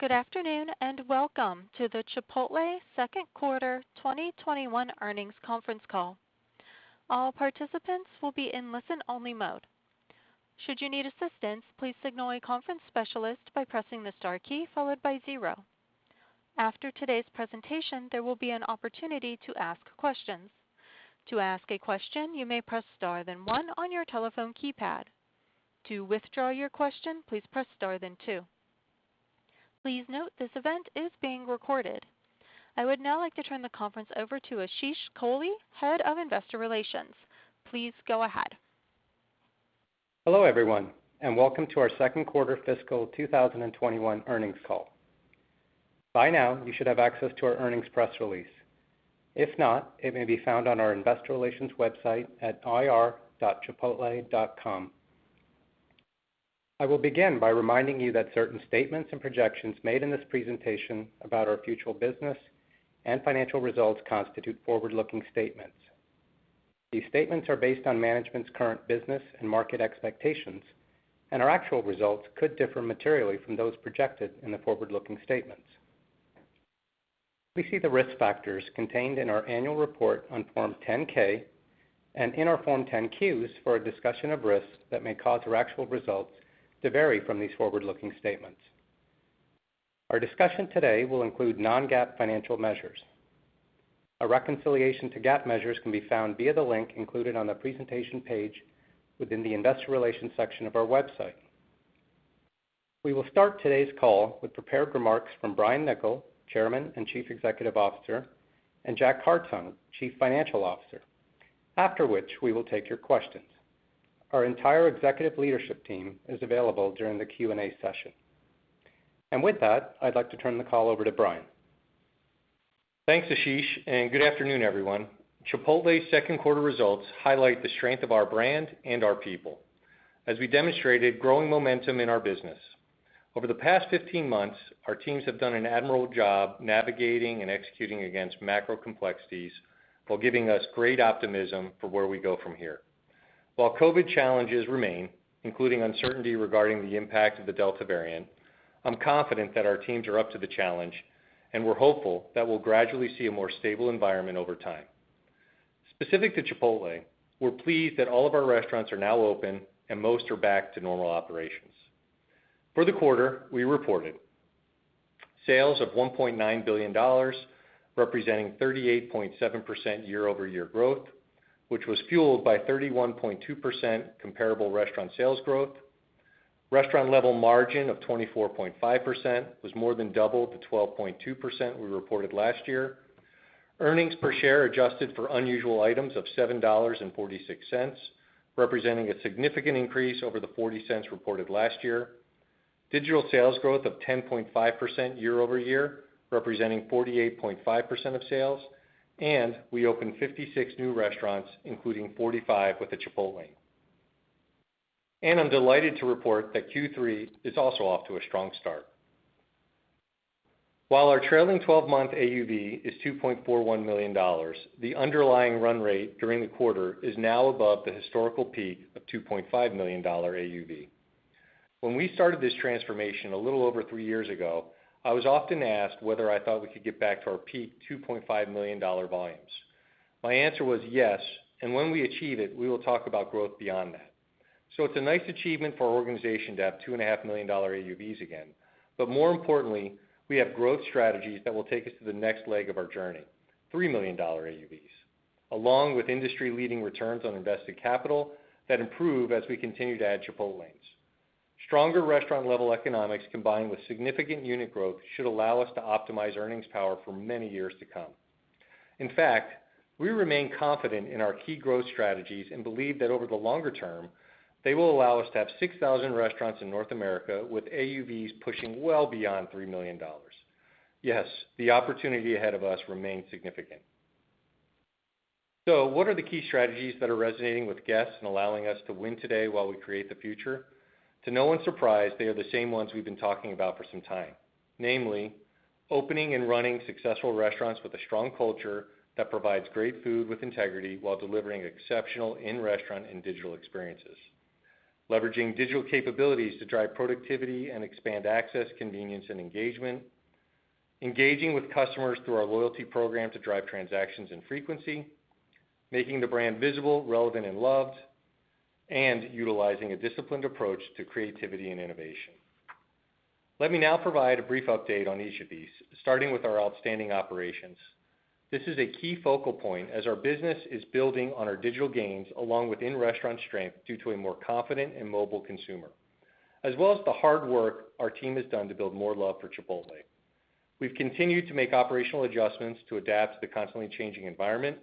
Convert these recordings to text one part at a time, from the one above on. Good afternoon, and welcome to the Chipotle second quarter 2021 earnings conference call. I would now like to turn the conference over to Ashish Kohli, Head of Investor Relations. Please go ahead. Hello, everyone, and welcome to our second quarter fiscal 2021 earnings call. By now, you should have access to our earnings press release. If not, it may be found on our investor relations website at ir.chipotle.com. I will begin by reminding you that certain statements and projections made in this presentation about our future business and financial results constitute forward-looking statements. These statements are based on management's current business and market expectations, and our actual results could differ materially from those projected in the forward-looking statements. Please see the risk factors contained in our annual report on Form 10-K and in our Form 10-Qs for a discussion of risks that may cause our actual results to vary from these forward-looking statements. Our discussion today will include non-GAAP financial measures. A reconciliation to GAAP measures can be found via the link included on the presentation page within the investor relations section of our website. We will start today's call with prepared remarks from Brian Niccol, Chairman and Chief Executive Officer, and Jack Hartung, Chief Financial Officer, after which we will take your questions. Our entire executive leadership team is available during the Q&A session. With that, I'd like to turn the call over to Brian. Thanks, Ashish. Good afternoon, everyone. Chipotle's second quarter results highlight the strength of our brand and our people as we demonstrated growing momentum in our business. Over the past 15 months, our teams have done an admirable job navigating and executing against macro complexities while giving us great optimism for where we go from here. While COVID challenges remain, including uncertainty regarding the impact of the Delta variant, I'm confident that our teams are up to the challenge, and we're hopeful that we'll gradually see a more stable environment over time. Specific to Chipotle, we're pleased that all of our restaurants are now open and most are back to normal operations. For the quarter, we reported sales of $1.9 billion, representing 38.7% year-over-year growth, which was fueled by 31.2% comparable restaurant sales growth. Restaurant level margin of 24.5% was more than double the 12.2% we reported last year. Earnings per share adjusted for unusual items of $7.46, representing a significant increase over the $0.40 reported last year. Digital sales growth of 10.5% year-over-year, representing 48.5% of sales. We opened 56 new restaurants, including 45 with a Chipotlane. I'm delighted to report that Q3 is also off to a strong start. While our trailing 12-month AUV is $2.41 million, the underlying run rate during the quarter is now above the historical peak of $2.5 million AUV. When we started this transformation a little over three years ago, I was often asked whether I thought we could get back to our peak $2.5 million volumes. My answer was yes, and when we achieve it, we will talk about growth beyond that. It's a nice achievement for our organization to have $2.5 million AUVs again, but more importantly, we have growth strategies that will take us to the next leg of our journey, $3 million AUVs, along with industry-leading returns on invested capital that improve as we continue to add Chipotlanes. Stronger restaurant-level economics combined with significant unit growth should allow us to optimize earnings power for many years to come. In fact, we remain confident in our key growth strategies and believe that over the longer term, they will allow us to have 6,000 restaurants in North America with AUVs pushing well beyond $3 million. Yes, the opportunity ahead of us remains significant. What are the key strategies that are resonating with guests and allowing us to win today while we create the future? To no one's surprise, they are the same ones we've been talking about for some time. Namely, opening and running successful restaurants with a strong culture that provides great food with integrity while delivering exceptional in-restaurant and digital experiences. Leveraging digital capabilities to drive productivity and expand access, convenience, and engagement. Engaging with customers through our loyalty program to drive transactions and frequency. Making the brand visible, relevant, and loved. And utilizing a disciplined approach to creativity and innovation. Let me now provide a brief update on each of these, starting with our outstanding operations. This is a key focal point as our business is building on our digital gains along with in-restaurant strength due to a more confident and mobile consumer. As well as the hard work our team has done to build more love for Chipotle. We've continued to make operational adjustments to adapt to the constantly changing environment,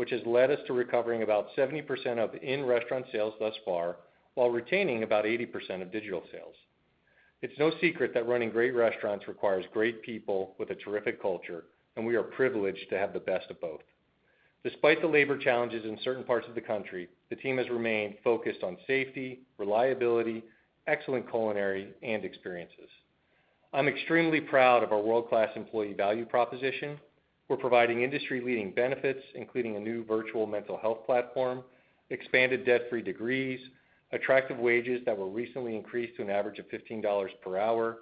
which has led us to recovering about 70% of in-restaurant sales thus far while retaining about 80% of digital sales. It's no secret that running great restaurants requires great people with a terrific culture. We are privileged to have the best of both. Despite the labor challenges in certain parts of the country, the team has remained focused on safety, reliability, excellent culinary, and experiences. I'm extremely proud of our world-class employee value proposition. We're providing industry-leading benefits, including a new virtual mental health platform, expanded debt-free degrees, attractive wages that were recently increased to an average of $15 per hour,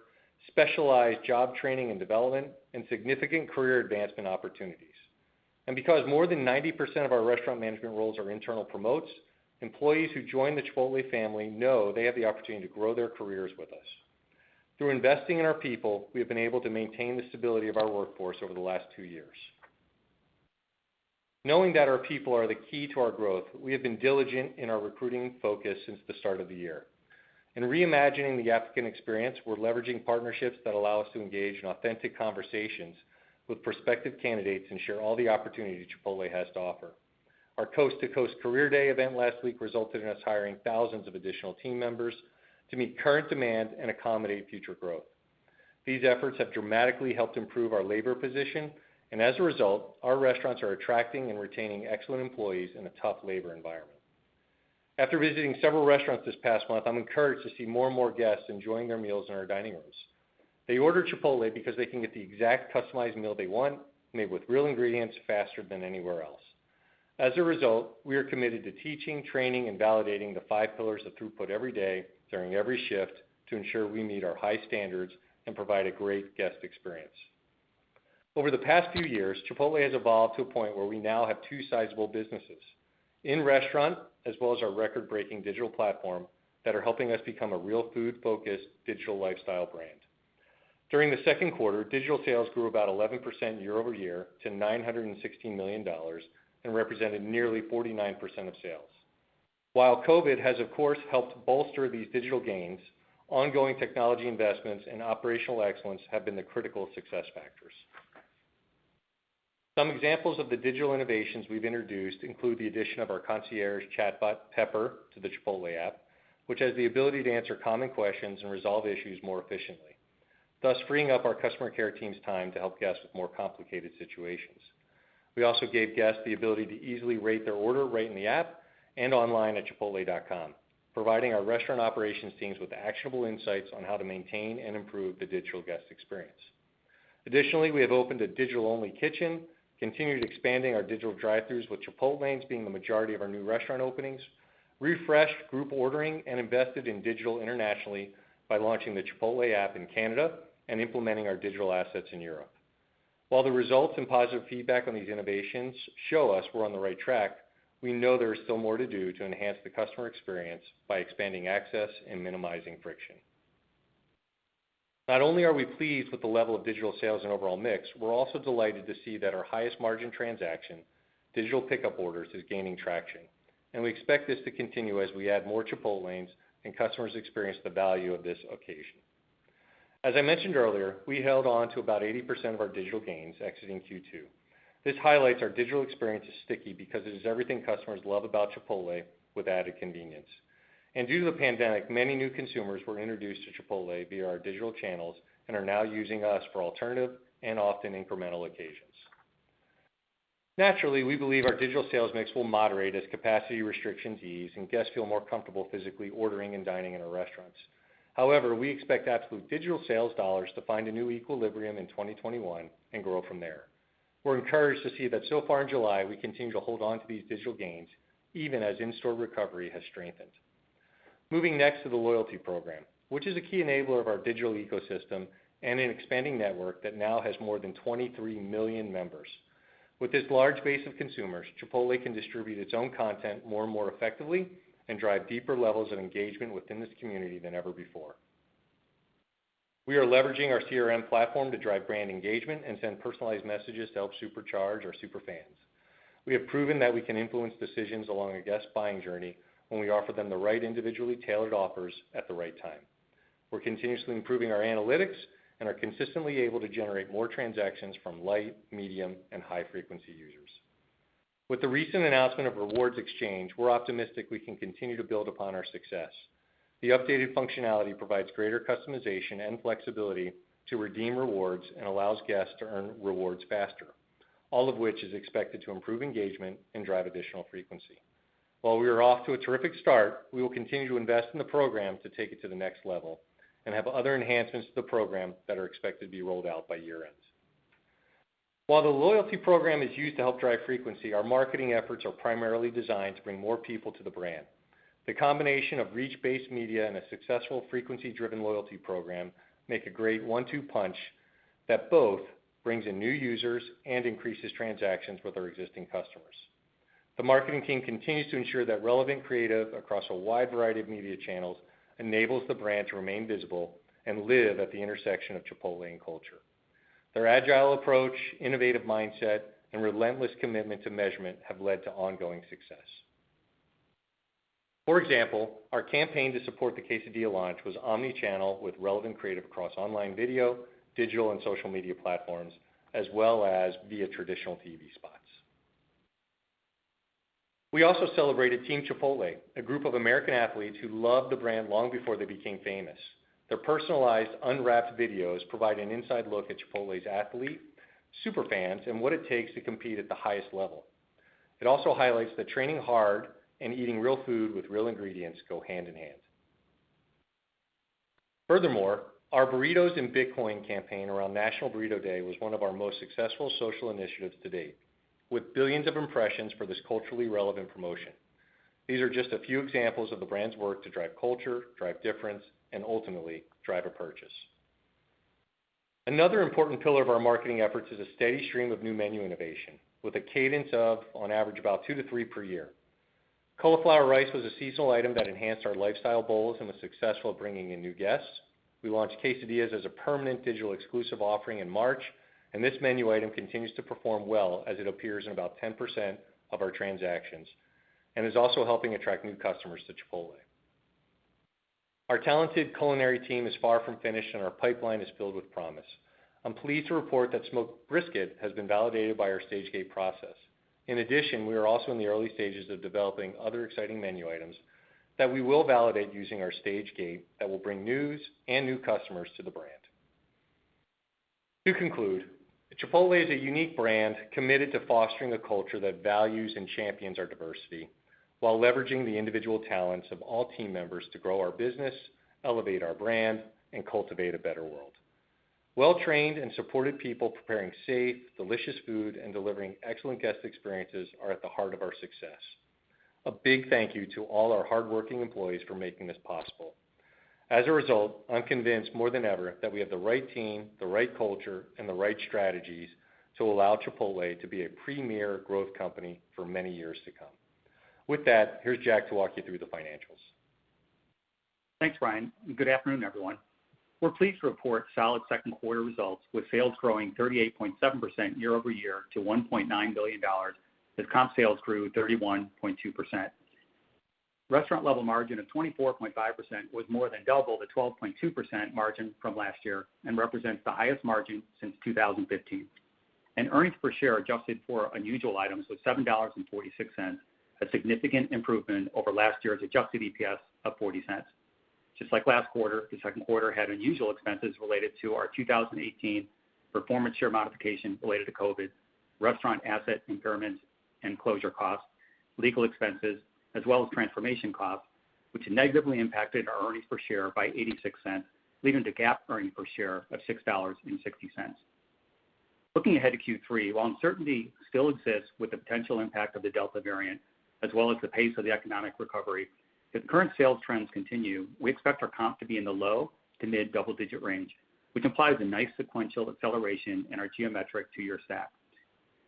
specialized job training and development, and significant career advancement opportunities. Because more than 90% of our restaurant management roles are internal promotes, employees who join the Chipotle family know they have the opportunity to grow their careers with us. Through investing in our people, we have been able to maintain the stability of our workforce over the last two years. Knowing that our people are the key to our growth, we have been diligent in our recruiting focus since the start of the year. In reimagining the applicant experience, we're leveraging partnerships that allow us to engage in authentic conversations with prospective candidates and share all the opportunities Chipotle has to offer. Our coast-to-coast career day event last week resulted in us hiring thousands of additional team members to meet current demand and accommodate future growth. These efforts have dramatically helped improve our labor position, and as a result, our restaurants are attracting and retaining excellent employees in a tough labor environment. After visiting several restaurants this past month, I'm encouraged to see more and more guests enjoying their meals in our dining rooms. They order Chipotle because they can get the exact customized meal they want, made with real ingredients, faster than anywhere else. As a result, we are committed to teaching, training, and validating the five pillars of throughput every day, during every shift to ensure we meet our high standards and provide a great guest experience. Over the past few years, Chipotle has evolved to a point where we now have two sizable businesses, in-restaurant, as well as our record-breaking digital platform that are helping us become a real food-focused digital lifestyle brand. During the second quarter, digital sales grew about 11% year-over-year to $916 million and represented nearly 49% of sales. While COVID has, of course, helped bolster these digital gains, ongoing technology investments and operational excellence have been the critical success factors. Some examples of the digital innovations we've introduced include the addition of our concierge chatbot, Pepper, to the Chipotle app, which has the ability to answer common questions and resolve issues more efficiently, thus freeing up our customer care team's time to help guests with more complicated situations. We also gave guests the ability to easily rate their order right in the app and online at chipotle.com, providing our restaurant operations teams with actionable insights on how to maintain and improve the digital guest experience. Additionally, we have opened a digital-only kitchen, continued expanding our digital drive-throughs with Chipotlanes being the majority of our new restaurant openings, refreshed group ordering, and invested in digital internationally by launching the Chipotle app in Canada and implementing our digital assets in Europe. While the results and positive feedback on these innovations show us we're on the right track, we know there is still more to do to enhance the customer experience by expanding access and minimizing friction. Not only are we pleased with the level of digital sales and overall mix, we're also delighted to see that our highest margin transaction, digital pickup orders, is gaining traction, and we expect this to continue as we add more Chipotlanes and customers experience the value of this occasion. As I mentioned earlier, we held on to about 80% of our digital gains exiting Q2. This highlights our digital experience is sticky because it is everything customers love about Chipotle with added convenience. Due to the pandemic, many new consumers were introduced to Chipotle via our digital channels and are now using us for alternative and often incremental occasions. Naturally, we believe our digital sales mix will moderate as capacity restrictions ease and guests feel more comfortable physically ordering and dining in our restaurants. We expect absolute digital sales dollars to find a new equilibrium in 2021 and grow from there. We're encouraged to see that so far in July, we continue to hold onto these digital gains, even as in-store recovery has strengthened. Moving next to the loyalty program, which is a key enabler of our digital ecosystem and an expanding network that now has more than 23 million members. With this large base of consumers, Chipotle can distribute its own content more and more effectively and drive deeper levels of engagement within this community than ever before. We are leveraging our CRM platform to drive brand engagement and send personalized messages to help supercharge our super fans. We have proven that we can influence decisions along a guest's buying journey when we offer them the right individually tailored offers at the right time. We're continuously improving our analytics and are consistently able to generate more transactions from light, medium, and high-frequency users. With the recent announcement of Rewards Exchange, we're optimistic we can continue to build upon our success. The updated functionality provides greater customization and flexibility to redeem rewards and allows guests to earn rewards faster. All of which is expected to improve engagement and drive additional frequency. While we are off to a terrific start, we will continue to invest in the program to take it to the next level and have other enhancements to the program that are expected to be rolled out by year-end. While the loyalty program is used to help drive frequency, our marketing efforts are primarily designed to bring more people to the brand. The combination of reach-based media and a successful frequency-driven loyalty program make a great one-two punch that both brings in new users and increases transactions with our existing customers. The marketing team continues to ensure that relevant creative across a wide variety of media channels enables the brand to remain visible and live at the intersection of Chipotle and culture. Their agile approach, innovative mindset, and relentless commitment to measurement have led to ongoing success. For example, our campaign to support the Quesadilla launch was omni-channel with relevant creative across online video, digital, and social media platforms, as well as via traditional TV spots. We also celebrated Team Chipotle, a group of American athletes who loved the brand long before they became famous. Their personalized unwrapped videos provide an inside look at Chipotle's athlete super fans and what it takes to compete at the highest level. It also highlights that training hard and eating real food with real ingredients go hand in hand. Furthermore, our Burritos or Bitcoin campaign around National Burrito Day was one of our most successful social initiatives to date, with billions of impressions for this culturally relevant promotion. These are just a few examples of the brand's work to drive culture, drive difference, and ultimately drive a purchase. Another important pillar of our marketing efforts is a steady stream of new menu innovation with a cadence of, on average, about two to three per year. Cauliflower rice was a seasonal item that enhanced our Lifestyle Bowls and was successful at bringing in new guests. We launched Quesadillas as a permanent digital exclusive offering in March. This menu item continues to perform well as it appears in about 10% of our transactions and is also helping attract new customers to Chipotle. Our talented culinary team is far from finished. Our pipeline is filled with promise. I'm pleased to report that Smoked Brisket has been validated by our Stage-Gate process. In addition, we are also in the early stages of developing other exciting menu items that we will validate using our Stage-Gate that will bring news and new customers to the brand. To conclude, Chipotle is a unique brand committed to fostering a culture that values and champions our diversity while leveraging the individual talents of all team members to grow our business, elevate our brand, and cultivate a better world. Well-trained and supported people preparing safe, delicious food and delivering excellent guest experiences are at the heart of our success. A big thank you to all our hardworking employees for making this possible. As a result, I'm convinced more than ever that we have the right team, the right culture, and the right strategies to allow Chipotle to be a premier growth company for many years to come. With that, here's Jack to walk you through the financials. Thanks, Brian. Good afternoon, everyone. We're pleased to report solid second quarter results with sales growing 38.7% year-over-year to $1.9 billion, as comp sales grew 31.2%. Restaurant level margin of 24.5% was more than double the 12.2% margin from last year and represents the highest margin since 2015. Earnings per share adjusted for unusual items was $7.46, a significant improvement over last year's adjusted EPS of $0.40. Just like last quarter, the second quarter had unusual expenses related to our 2018 performance share modification related to COVID, restaurant asset impairments, and closure costs, legal expenses, as well as transformation costs, which negatively impacted our earnings per share by $0.86, leading to GAAP earnings per share of $6.60. Looking ahead to Q3, while uncertainty still exists with the potential impact of the Delta variant, as well as the pace of the economic recovery, if current sales trends continue, we expect our comps to be in the low to mid double-digit range, which implies a nice sequential acceleration in our geometric two-year stack.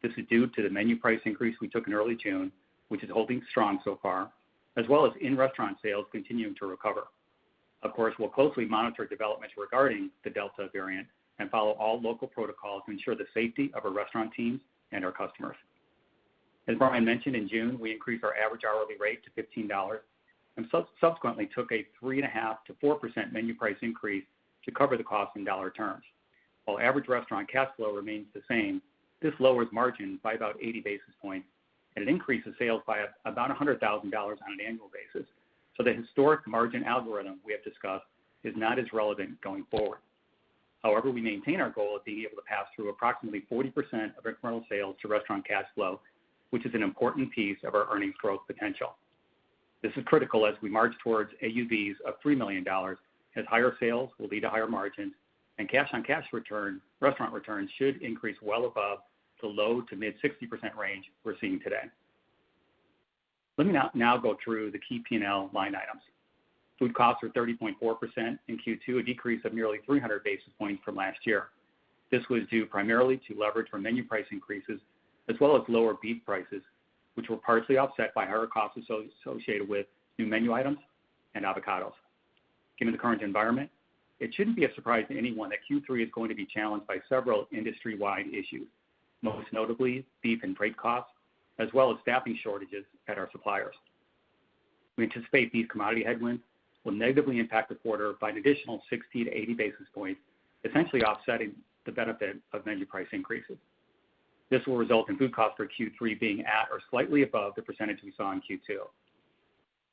This is due to the menu price increase we took in early June, which is holding strong so far, as well as in-restaurant sales continuing to recover. Of course, we'll closely monitor developments regarding the Delta variant and follow all local protocols to ensure the safety of our restaurant teams and our customers. As Brian mentioned, in June, we increased our average hourly rate to $15 and subsequently took a 3.5%-4% menu price increase to cover the cost in dollar terms. While average restaurant cash flow remains the same, this lowers margin by about 80 basis points, it increases sales by about $100,000 on an annual basis. The historic margin algorithm we have discussed is not as relevant going forward. However, we maintain our goal of being able to pass through approximately 40% of incremental sales to restaurant cash flow, which is an important piece of our earnings growth potential. This is critical as we march towards AUVs of $3 million, as higher sales will lead to higher margins and cash on cash return, restaurant returns should increase well above the low to mid 60% range we're seeing today. Let me now go through the key P&L line items. Food costs were 30.4% in Q2, a decrease of nearly 300 basis points from last year. This was due primarily to leverage from menu price increases, as well as lower beef prices, which were partially offset by higher costs associated with new menu items and avocados. Given the current environment, it shouldn't be a surprise to anyone that Q3 is going to be challenged by several industry-wide issues, most notably beef and freight costs, as well as staffing shortages at our suppliers. We anticipate these commodity headwinds will negatively impact the quarter by an additional 60 to 80 basis points, essentially offsetting the benefit of menu price increases. This will result in food costs for Q3 being at or slightly above the percentage we saw in Q2.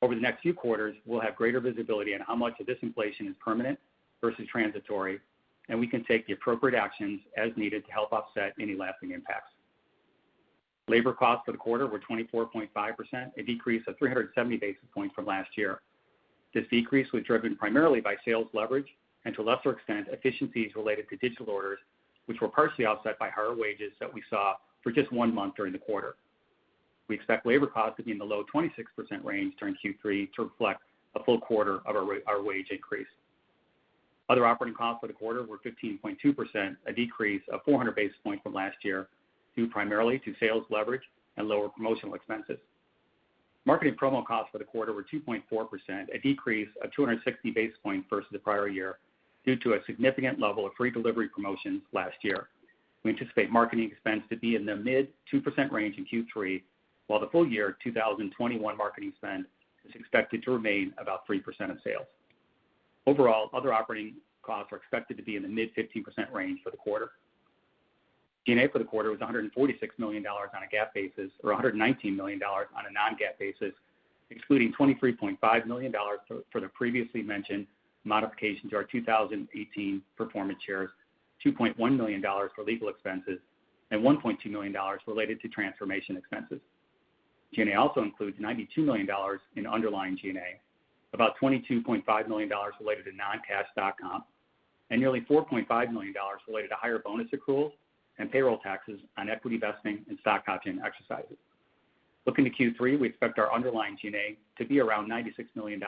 Over the next few quarters, we'll have greater visibility on how much of this inflation is permanent versus transitory, and we can take the appropriate actions as needed to help offset any lasting impacts. Labor costs for the quarter were 24.5%, a decrease of 370 basis points from last year. This decrease was driven primarily by sales leverage and to a lesser extent, efficiencies related to digital orders, which were partially offset by higher wages that we saw for just one month during the quarter. We expect labor costs to be in the low 26% range during Q3 to reflect a full quarter of our wage increase. Other operating costs for the quarter were 15.2%, a decrease of 400 basis points from last year, due primarily to sales leverage and lower promotional expenses. Marketing promo costs for the quarter were 2.4%, a decrease of 260 basis points versus the prior year due to a significant level of free delivery promotions last year. We anticipate marketing expense to be in the mid 2% range in Q3, while the full year 2021 marketing spend is expected to remain about 3% of sales. Overall, other operating costs are expected to be in the mid 15% range for the quarter. G&A for the quarter was $146 million on a GAAP basis or $119 million on a non-GAAP basis, excluding $23.5 million for the previously mentioned modification to our 2018 performance shares, $2.1 million for legal expenses, and $1.2 million related to transformation expenses. G&A also includes $92 million in underlying G&A, about $22.5 million related to non-cash stock comp, and nearly $4.5 million related to higher bonus accruals and payroll taxes on equity vesting and stock option exercises. Looking to Q3, we expect our underlying G&A to be around $96 million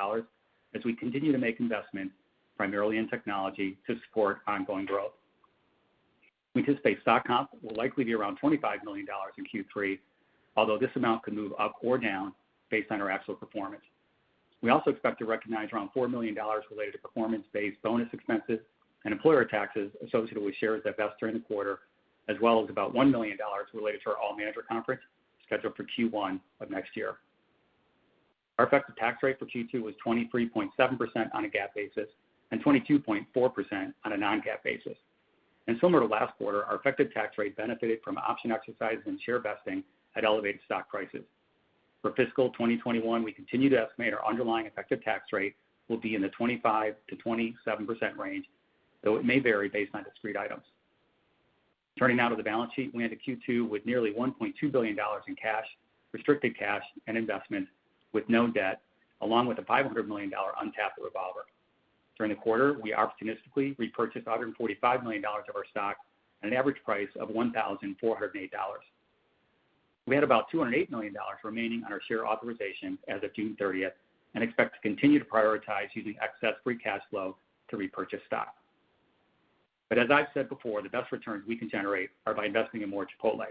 as we continue to make investments primarily in technology to support ongoing growth. We anticipate stock comp will likely be around $25 million in Q3, although this amount could move up or down based on our actual performance. We also expect to recognize around $4 million related to performance-based bonus expenses and employer taxes associated with shares that vest during the quarter, as well as about $1 million related to our All Managers Conference scheduled for Q1 of next year. Our effective tax rate for Q2 was 23.7% on a GAAP basis and 22.4% on a non-GAAP basis. Similar to last quarter, our effective tax rate benefited from option exercise and share vesting at elevated stock prices. For fiscal 2021, we continue to estimate our underlying effective tax rate will be in the 25%-27% range, though it may vary based on discrete items. Turning now to the balance sheet. We entered Q2 with nearly $1.2 billion in cash, restricted cash, and investments with no debt, along with a $500 million untapped revolver. During the quarter, we opportunistically repurchased $145 million of our stock at an average price of $1,408. We had about $208 million remaining on our share authorization as of June 30th and expect to continue to prioritize using excess free cash flow to repurchase stock. As I’ve said before, the best returns we can generate are by investing in more Chipotles.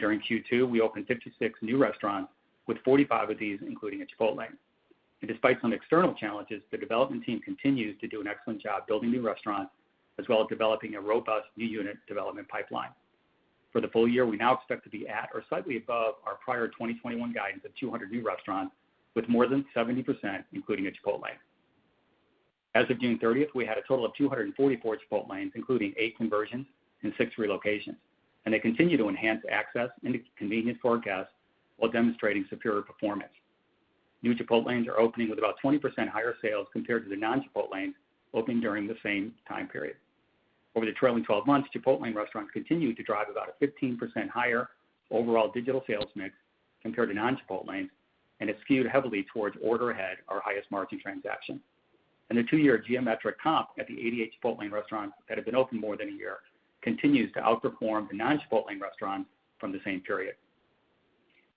During Q2, we opened 56 new restaurants, with 45 of these including a Chipotlane. Despite some external challenges, the development team continues to do an excellent job building new restaurants, as well as developing a robust new unit development pipeline. For the full year, we now expect to be at or slightly above our prior 2021 guidance of 200 new restaurants, with more than 70% including a Chipotlane. As of June 30, we had a total of 244 Chipotlanes, including eight conversions and six relocations. They continue to enhance access and convenience for guests while demonstrating superior performance. New Chipotlanes are opening with about 20% higher sales compared to the non-Chipotlane opened during the same time period. Over the trailing 12 months, Chipotlane restaurants continued to drive about a 15% higher overall digital sales mix compared to non-Chipotlane. It skewed heavily towards order ahead, our highest margin transaction. The two-year geometric comp at the 88 Chipotlane restaurants that have been open more than a year continues to outperform the non-Chipotlane restaurants from the same period.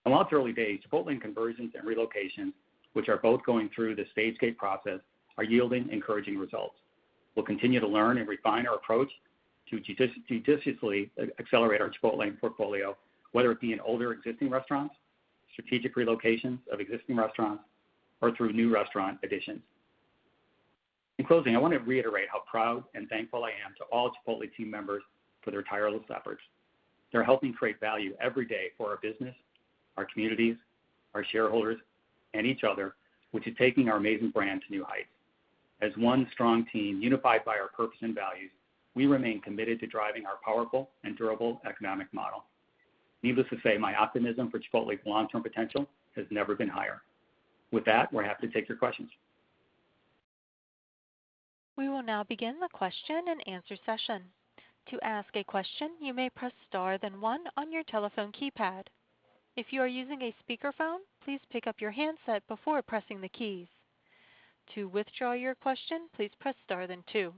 While it's early days, Chipotlane conversions and relocations, which are both going through the Stage-Gate process, are yielding encouraging results. We'll continue to learn and refine our approach to judiciously accelerate our Chipotlane portfolio, whether it be in older existing restaurants, strategic relocations of existing restaurants, or through new restaurant additions. In closing, I want to reiterate how proud and thankful I am to all Chipotle team members for their tireless efforts. They're helping create value every day for our business, our communities, our shareholders, and each other, which is taking our amazing brand to new heights. As one strong team unified by our purpose and values, we remain committed to driving our powerful and durable economic model. Needless to say, my optimism for Chipotle's long-term potential has never been higher. With that, we're happy to take your questions. We will now begin the question and answer session. To ask a question, you may press star then one on your telephone keypad. If you are using a speakerphone, please pick up your handset before pressing the keys. To withdraw your question, please press star then two.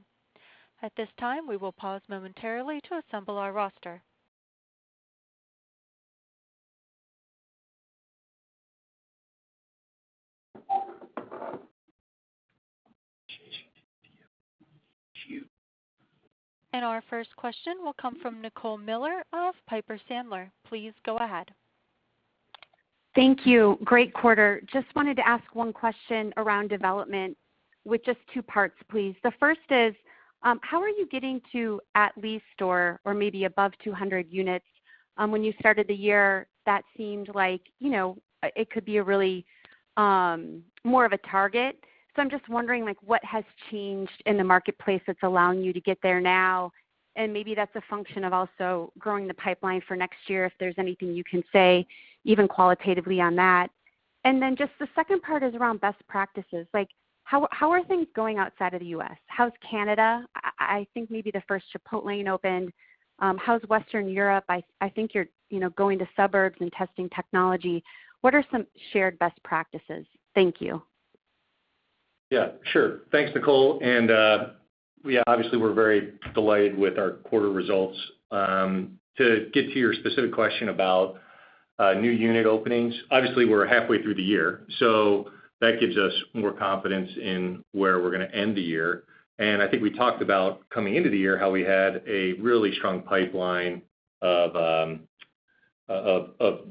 At this time, we will pause momentarily to assemble our roster. Our first question will come from Nicole Miller of Piper Sandler. Please go ahead. Thank you. Great quarter. Just wanted to ask 1 question around development with just two parts, please. The first is, how are you getting to at least or maybe above 200 units? When you started the year, that seemed like it could be a really more of a target. I'm just wondering what has changed in the marketplace that's allowing you to get there now, and maybe that's a function of also growing the pipeline for next year, if there's anything you can say even qualitatively on that. Just the second part is around best practices. How are things going outside of the U.S.? How's Canada? I think maybe the first Chipotlane opened. How's Western Europe? I think you're going to suburbs and testing technology. What are some shared best practices? Thank you. Yeah, sure. Thanks, Nicole. Yeah, obviously, we're very delighted with our quarter results. To get to your specific question about new unit openings. Obviously, we're halfway through the year, so that gives us more confidence in where we're going to end the year. I think we talked about coming into the year how we had a really strong pipeline of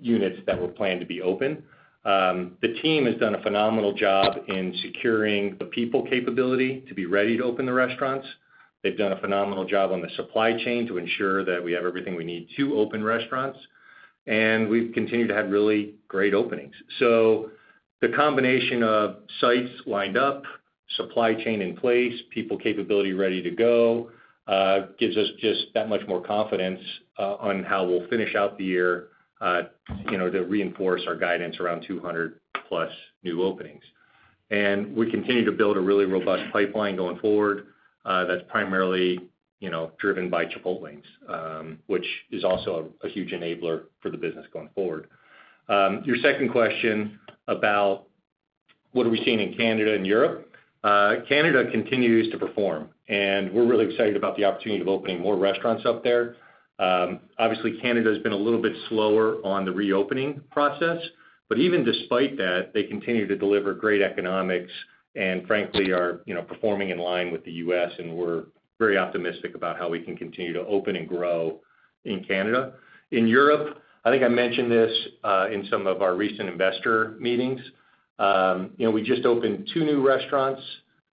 units that were planned to be opened. The team has done a phenomenal job in securing the people capability to be ready to open the restaurants. They've done a phenomenal job on the supply chain to ensure that we have everything we need to open restaurants, and we've continued to have really great openings. The combination of sites lined up, supply chain in place, people capability ready to go, gives us just that much more confidence on how we'll finish out the year to reinforce our guidance around 200-plus new openings. We continue to build a really robust pipeline going forward, that's primarily driven by Chipotlanes, which is also a huge enabler for the business going forward. Your second question about what are we seeing in Canada and Europe. Canada continues to perform, and we're really excited about the opportunity of opening more restaurants up there. Obviously, Canada's been a little bit slower on the reopening process. Even despite that, they continue to deliver great economics and frankly, are performing in line with the U.S., and we're very optimistic about how we can continue to open and grow in Canada. In Europe, I think I mentioned this in some of our recent investor meetings. We just opened two new restaurants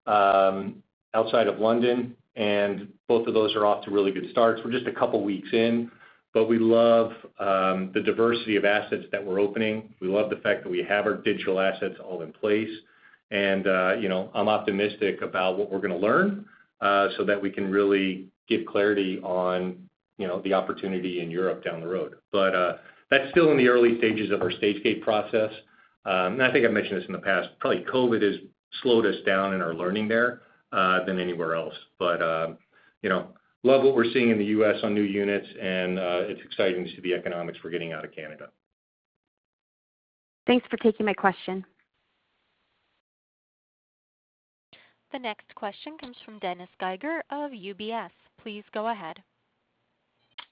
outside of London, and both of those are off to really good starts. We're just a couple of weeks in, but we love the diversity of assets that we're opening. We love the fact that we have our digital assets all in place. I'm optimistic about what we're going to learn, so that we can really give clarity on the opportunity in Europe down the road. That's still in the early stages of our Stage-Gate process. I think I've mentioned this in the past, probably COVID has slowed us down in our learning there, than anywhere else. Love what we're seeing in the U.S. on new units and, it's exciting to see the economics we're getting out of Canada. Thanks for taking my question. The next question comes from Dennis Geiger of UBS. Please go ahead.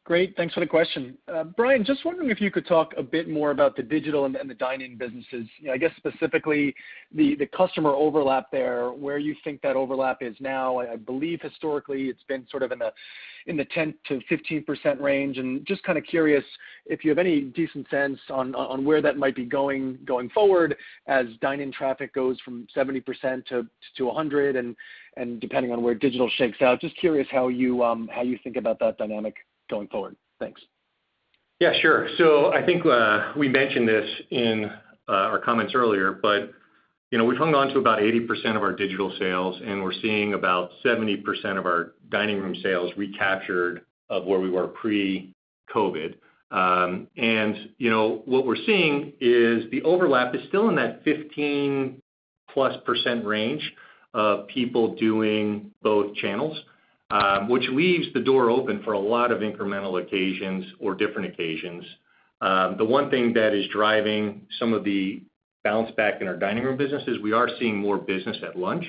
Great. Thanks for the question. Brian, just wondering if you could talk a bit more about the digital and the dine-in businesses. I guess specifically, the customer overlap there, where you think that overlap is now. I believe historically it's been sort of in the 10%-15% range. Just kind of curious if you have any decent sense on where that might be going forward as dine-in traffic goes from 70%-100% and depending on where digital shakes out, just curious how you think about that dynamic going forward. Thanks. Yeah, sure. I think, we mentioned this in our comments earlier, but we've hung on to about 80% of our digital sales, and we're seeing about 70% of our dining room sales recaptured of where we were pre-COVID. What we're seeing is the overlap is still in that 15+% range of people doing both channels, which leaves the door open for a lot of incremental occasions or different occasions. The one thing that is driving some of the bounce back in our dining room business is we are seeing more business at lunch,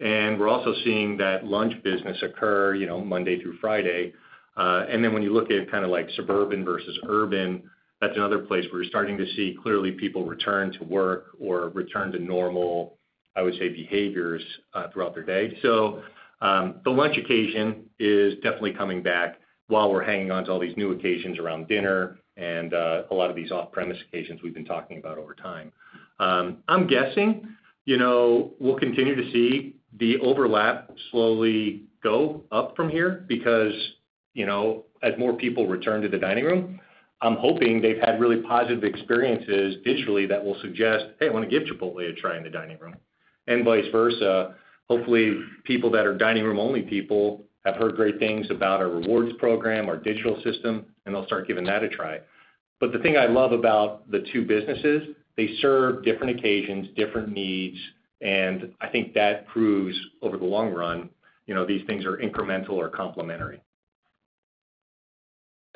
and we're also seeing that lunch business occur, Monday through Friday. When you look at kind of like suburban versus urban, that's another place where you're starting to see clearly people return to work or return to normal, I would say, behaviors, throughout their day. The lunch occasion is definitely coming back while we're hanging on to all these new occasions around dinner and a lot of these off-premise occasions we've been talking about over time. I'm guessing we'll continue to see the overlap slowly go up from here because, as more people return to the dining room, I'm hoping they've had really positive experiences digitally that will suggest, "Hey, I want to give Chipotle a try in the dining room," and vice versa. Hopefully, people that are dining room only people have heard great things about our rewards program, our digital system, and they'll start giving that a try. The thing I love about the two businesses, they serve different occasions, different needs, and I think that proves over the long run, these things are incremental or complementary.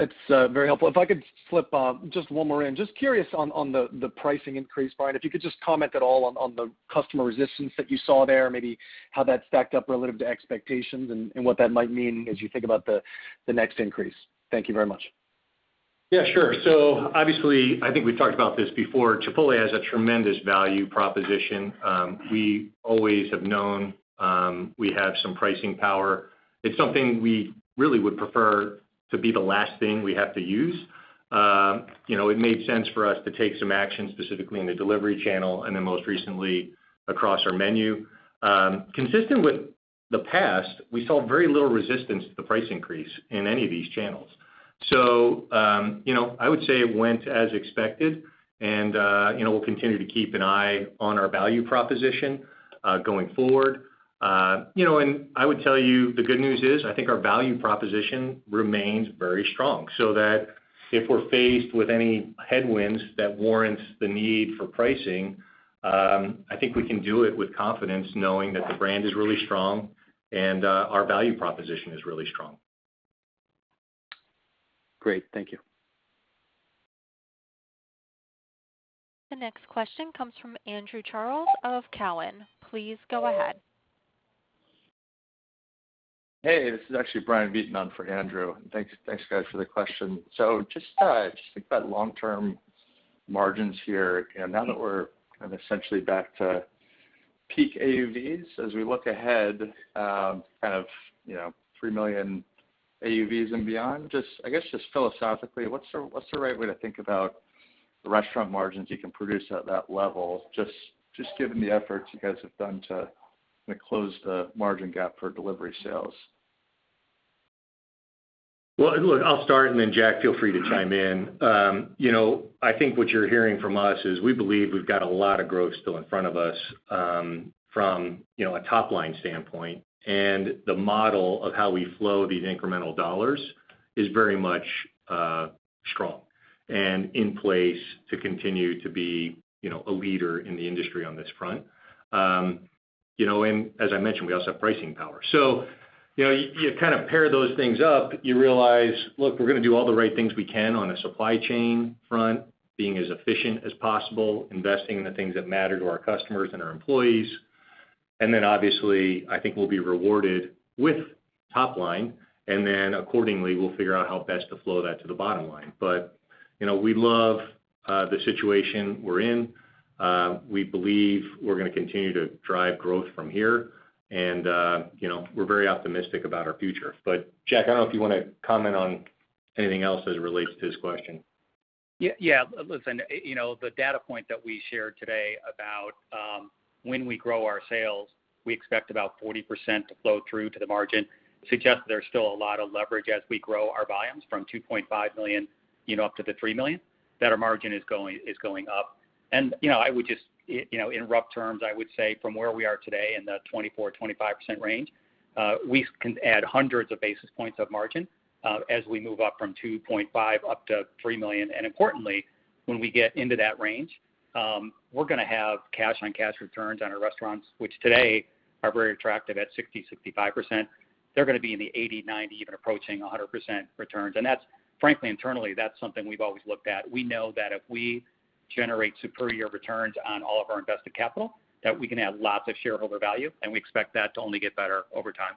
That's very helpful. If I could slip just one more in. Just curious on the pricing increase, Brian, if you could just comment at all on the customer resistance that you saw there, maybe how that stacked up relative to expectations and what that might mean as you think about the next increase? Thank you very much. Yeah, sure. Obviously, I think we've talked about this before, Chipotle has a tremendous value proposition. We always have known we have some pricing power. It's something we really would prefer to be the last thing we have to use. It made sense for us to take some action, specifically in the delivery channel, and then most recently across our menu. Consistent with the past, we saw very little resistance to the price increase in any of these channels. I would say it went as expected and we'll continue to keep an eye on our value proposition, going forward. I would tell you the good news is, I think our value proposition remains very strong, so that if we're faced with any headwinds that warrants the need for pricing, I think we can do it with confidence knowing that the brand is really strong and our value proposition is really strong. Great. Thank you. The next question comes from Andrew Charles of Cowen. Please go ahead. Hey, this is actually Brian Vieten for Andrew. Thanks, guys for the question. Just thinking about long-term margins here. Now that we're kind of essentially back to peak AUVs as we look ahead, kind of, 3 million AUVs and beyond, just, I guess, just philosophically, what's the right way to think about the restaurant margins you can produce at that level, just given the efforts you guys have done to close the margin gap for delivery sales? Well, look, I'll start and then Jack, feel free to chime in. I think what you're hearing from us is we believe we've got a lot of growth still in front of us from a top-line standpoint, and the model of how we flow these incremental dollars is very much strong and in place to continue to be a leader in the industry on this front. As I mentioned, we also have pricing power. You kind of pair those things up, you realize, look, we're going to do all the right things we can on a supply chain front, being as efficient as possible, investing in the things that matter to our customers and our employees. Then obviously, I think we'll be rewarded with top line, and then accordingly, we'll figure out how best to flow that to the bottom line. We love the situation we're in. We believe we're going to continue to drive growth from here. We're very optimistic about our future. Jack, I don't know if you want to comment on anything else as it relates to this question. Listen, the data point that we shared today about when we grow our sales, we expect about 40% to flow through to the margin, suggests there's still a lot of leverage as we grow our volumes from 2.5 million-3 million, that our margin is going up. In rough terms, I would say from where we are today in the 24%-25% range, we can add hundreds of basis points of margin as we move up from 2.5 up to 3 million. Importantly, when we get into that range, we're going to have cash-on-cash returns on our restaurants, which today are very attractive at 60%-65%. They're going to be in the 80%-90%, even approaching 100% returns. Frankly, internally, that's something we've always looked at. We know that if we generate superior returns on all of our invested capital, that we can add lots of shareholder value, and we expect that to only get better over time.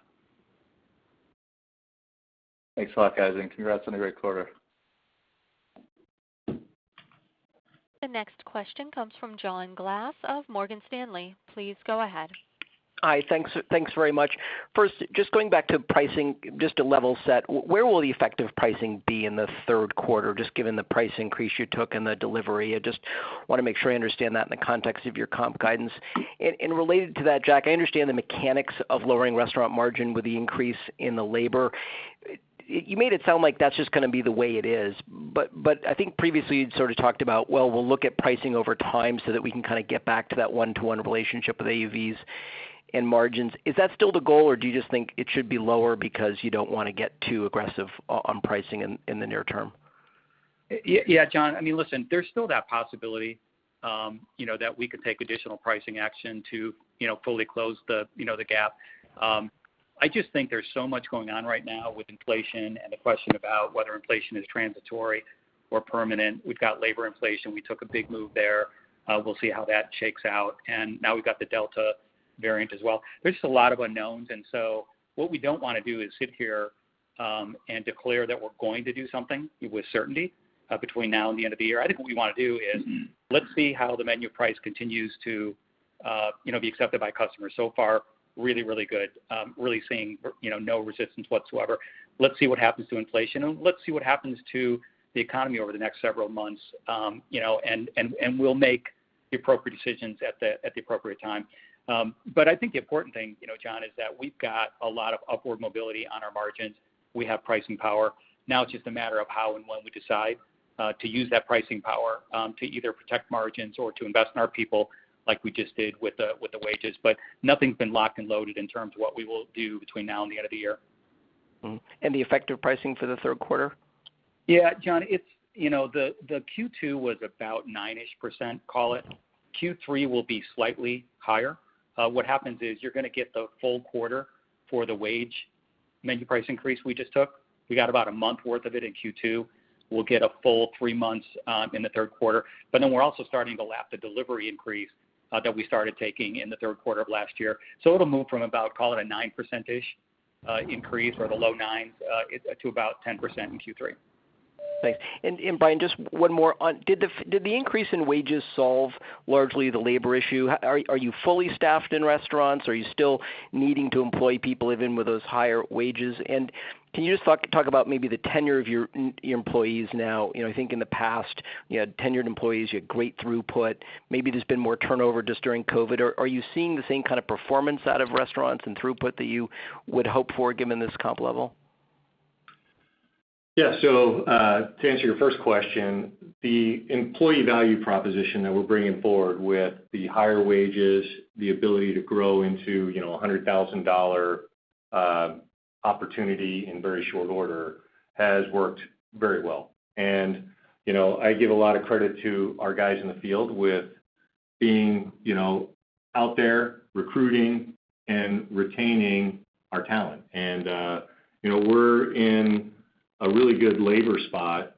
Thanks a lot, guys, and congrats on a great quarter. The next question comes from John Glass of Morgan Stanley. Please go ahead. Hi. Thanks very much. First, just going back to pricing, just to level set, where will the effective pricing be in the third quarter, just given the price increase you took and the delivery? I just want to make sure I understand that in the context of your comp guidance. Related to that, Jack, I understand the mechanics of lowering restaurant margin with the increase in the labor. You made it sound like that's just going to be the way it is. I think previously you'd sort of talked about, well, we'll look at pricing over time so that we can kind of get back to that one-to-one relationship with AUVs and margins. Is that still the goal, or do you just think it should be lower because you don't want to get too aggressive on pricing in the near term? Yeah, John. Listen, there's still that possibility that we could take additional pricing action to fully close the gap. I just think there's so much going on right now with inflation and the question about whether inflation is transitory or permanent. We've got labor inflation. We took a big move there. We'll see how that shakes out. Now we've got the Delta variant as well. There's just a lot of unknowns. What we don't want to do is sit here and declare that we're going to do something with certainty between now and the end of the year. I think what we want to do is let's see how the menu price continues to be accepted by customers. So far, really, really good. Really seeing no resistance whatsoever. Let's see what happens to inflation, and let's see what happens to the economy over the next several months. We'll make the appropriate decisions at the appropriate time. I think the important thing, John, is that we've got a lot of upward mobility on our margins. We have pricing power. Now it's just a matter of how and when we decide to use that pricing power to either protect margins or to invest in our people like we just did with the wages. Nothing's been locked and loaded in terms of what we will do between now and the end of the year. The effective pricing for the third quarter? Yeah, John, the Q2 was about 9-ish%, call it. Q3 will be slightly higher. What happens is you're going to get the full quarter for the wage menu price increase we just took. We got about a month worth of it in Q2. We'll get a full three months in the third quarter. We're also starting to lap the delivery increase that we started taking in the third quarter of last year. It'll move from about, call it a 9% increase or the low 9s to about 10% in Q3. Thanks. Brian, just one more. Did the increase in wages solve largely the labor issue? Are you fully staffed in restaurants? Are you still needing to employ people even with those higher wages? Can you just talk about maybe the tenure of your employees now? I think in the past, you had tenured employees, you had great throughput. Maybe there's been more turnover just during COVID. Are you seeing the same kind of performance out of restaurants and throughput that you would hope for given this comp level? Yeah. To answer your first question, the employee value proposition that we're bringing forward with the higher wages, the ability to grow into a $100,000 opportunity in very short order, has worked very well. I give a lot of credit to our guys in the field with being out there recruiting and retaining our talent. We're in a really good labor spot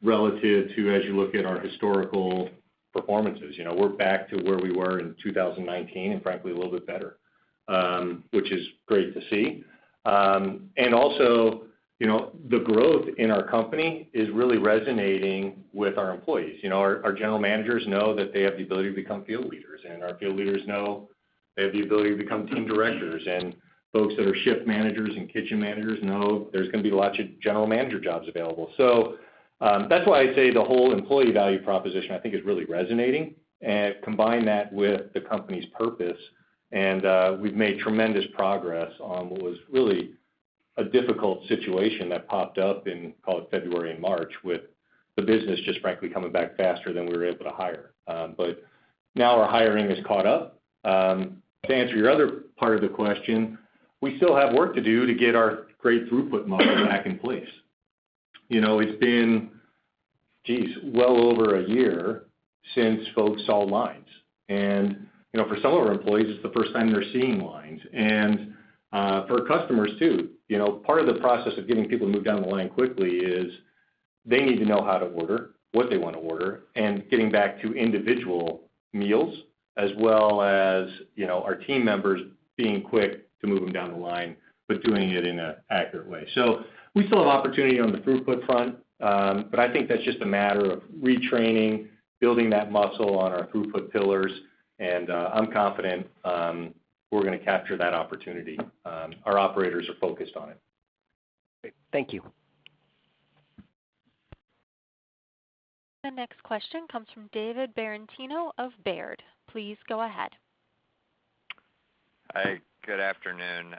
relative to as you look at our historical performances. We're back to where we were in 2019, and frankly, a little bit better, which is great to see. Also, the growth in our company is really resonating with our employees. Our general managers know that they have the ability to become field leaders, and our field leaders know they have the ability to become team directors, and folks that are shift managers and kitchen managers know there's going to be lots of general manager jobs available. That's why I say the whole employee value proposition I think is really resonating. Combine that with the company's purpose, and we've made tremendous progress on what was really a difficult situation that popped up in, call it February and March, with the business just frankly coming back faster than we were able to hire. Now our hiring has caught up. To answer your other part of the question. We still have work to do to get our great throughput model back in place. It's been, geez, well over a year since folks saw lines. For some of our employees, it's the first time they're seeing lines. For customers too. Part of the process of getting people moved down the line quickly is they need to know how to order, what they want to order, and getting back to individual meals, as well as our team members being quick to move them down the line, but doing it in an accurate way. We still have opportunity on the throughput front. I think that's just a matter of retraining, building that muscle on our throughput pillars, and I'm confident we're going to capture that opportunity. Our operators are focused on it. Great. Thank you. The next question comes from David Tarantino of Baird. Please go ahead. Hi, good afternoon.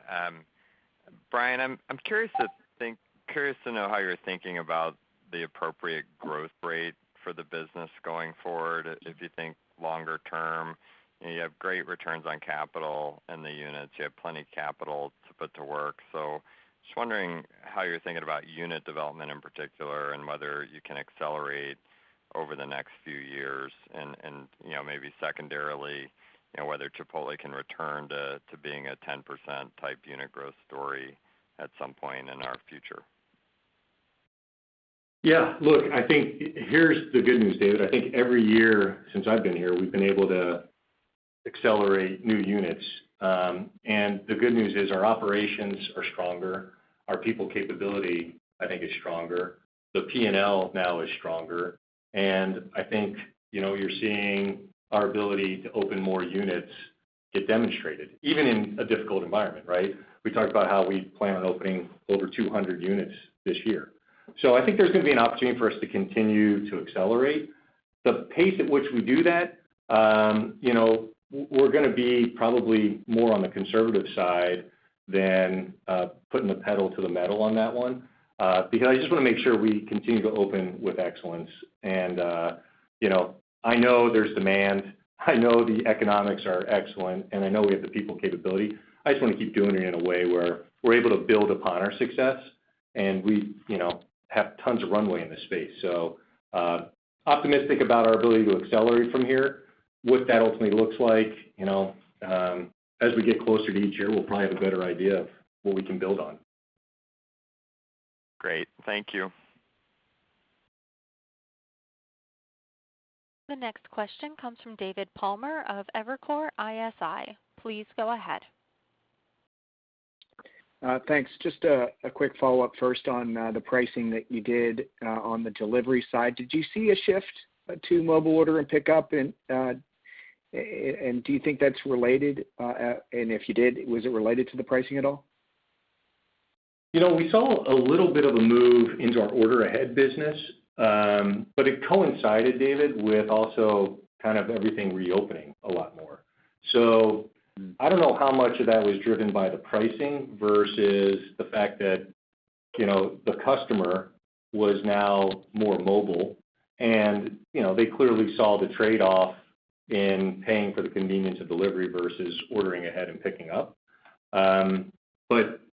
Brian, I'm curious to know how you're thinking about the appropriate growth rate for the business going forward, if you think longer term, and you have great returns on capital in the units. You have plenty of capital to put to work. Just wondering how you're thinking about unit development in particular, and whether you can accelerate over the next few years. Maybe secondarily, whether Chipotle can return to being a 10%-type unit growth story at some point in our future? Yeah, look, I think here's the good news, David. I think every year since I've been here, we've been able to accelerate new units. The good news is our operations are stronger. Our people capability, I think, is stronger. The P&L now is stronger. I think you're seeing our ability to open more units get demonstrated, even in a difficult environment, right? We talked about how we plan on opening over 200 units this year. I think there's going to be an opportunity for us to continue to accelerate. The pace at which we do that, we're going to be probably more on the conservative side than putting the pedal to the metal on that one. Because I just want to make sure we continue to open with excellence. I know there's demand. I know the economics are excellent, and I know we have the people capability. I just want to keep doing it in a way where we're able to build upon our success. We have tons of runway in this space. Optimistic about our ability to accelerate from here. What that ultimately looks like, as we get closer to each year, we'll probably have a better idea of what we can build on. Great. Thank you. The next question comes from David Palmer of Evercore ISI. Please go ahead. Thanks. Just a quick follow-up first on the pricing that you did on the delivery side. Did you see a shift to mobile order and pickup, and do you think that's related? If you did, was it related to the pricing at all? We saw a little bit of a move into our order ahead business. It coincided, David, with also kind of everything reopening a lot more. I don't know how much of that was driven by the pricing versus the fact that the customer was now more mobile and they clearly saw the trade-off in paying for the convenience of delivery versus ordering ahead and picking up.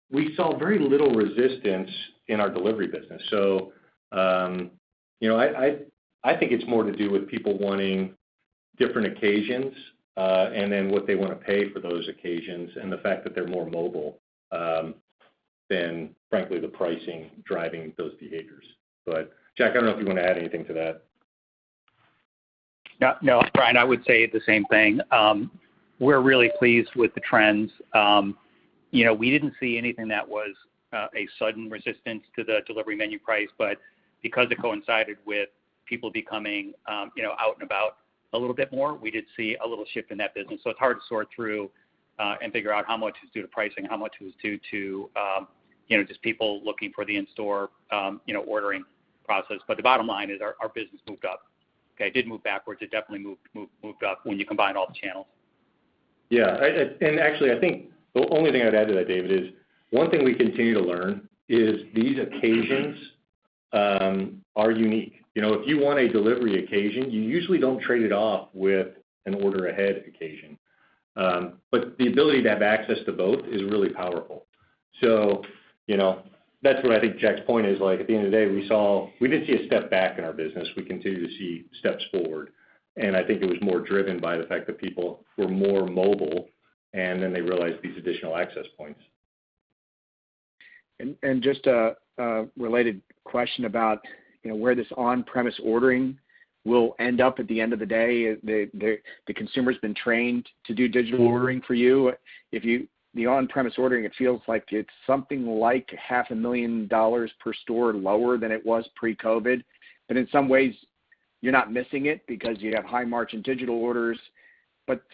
We saw very little resistance in our delivery business. I think it's more to do with people wanting different occasions, and then what they want to pay for those occasions, and the fact that they're more mobile, than frankly the pricing driving those behaviors. Jack, I don't know if you want to add anything to that. No, Brian, I would say the same thing. We're really pleased with the trends. We didn't see anything that was a sudden resistance to the delivery menu price, but because it coincided with people becoming out and about a little bit more, we did see a little shift in that business. It's hard to sort through, and figure out how much is due to pricing, how much was due to just people looking for the in-store ordering process. The bottom line is our business moved up. Okay? It didn't move backwards. It definitely moved up when you combine all the channels. Actually, I think the only thing I'd add to that, David, is one thing we continue to learn is these occasions are unique. If you want a delivery occasion, you usually don't trade it off with an order ahead occasion. The ability to have access to both is really powerful. That's where I think Jack's point is like, at the end of the day, we didn't see a step back in our business. We continue to see steps forward, and I think it was more driven by the fact that people were more mobile, and then they realized these additional access points. Just a related question about where this on-premise ordering will end up at the end of the day. The consumer's been trained to do digital ordering for you. The on-premise ordering, it feels like it's something like half a million dollars per store lower than it was pre-COVID. In some ways, you're not missing it because you have high margin in digital orders.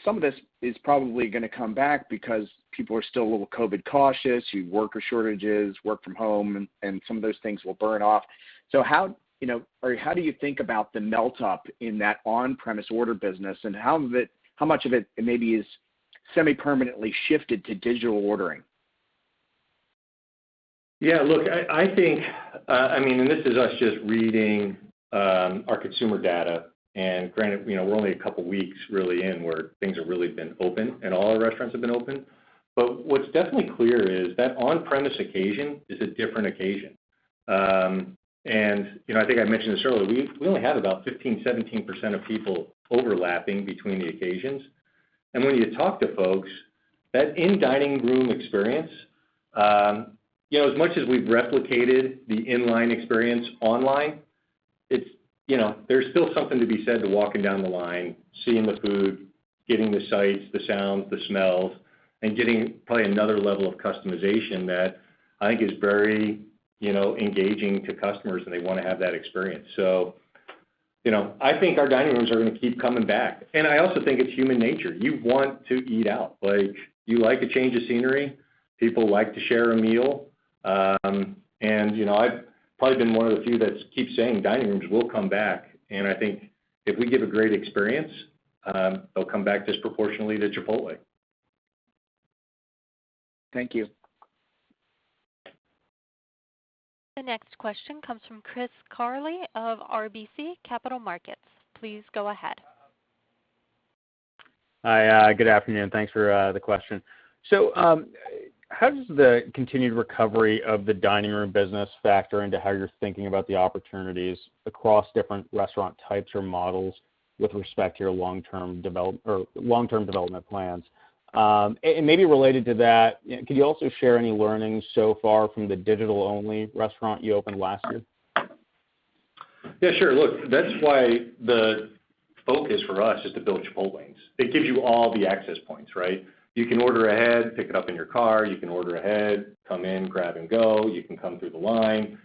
Some of this is probably going to come back because people are still a little COVID cautious. You have worker shortages, work from home, and some of those things will burn off. How do you think about the melt up in that on-premise order business, and how much of it maybe is semi-permanently shifted to digital ordering? Yeah, look, this is us just reading our consumer data, and granted, we're only a couple of weeks really in where things have really been open and all our restaurants have been open. What's definitely clear is that on-premise occasion is a different occasion. I think I mentioned this earlier, we only have about 15%, 17% of people overlapping between the occasions. When you talk to folks, that in-dining room experience, as much as we've replicated the in-line experience online, there's still something to be said to walking down the line, seeing the food, getting the sights, the sounds, the smells, and getting probably another level of customization that I think is very engaging to customers, and they want to have that experience. I think our dining rooms are going to keep coming back. I also think it's human nature. You want to eat out. You like a change of scenery. People like to share a meal. I've probably been one of the few that keep saying dining rooms will come back, and I think if we give a great experience, they'll come back disproportionately to Chipotle. Thank you. The next question comes from Chris Carril of RBC Capital Markets. Please go ahead. Hi, good afternoon. Thanks for the question. How does the continued recovery of the dining room business factor into how you're thinking about the opportunities across different restaurant types or models with respect to your long-term development plans? And maybe related to that, could you also share any learnings so far from the digital-only restaurant you opened last year? Sure. Look, that's why the focus for us is to build Chipotlanes. It gives you all the access points, right? You can order ahead, pick it up in your car. You can order ahead, come in, grab and go. You can come through the line.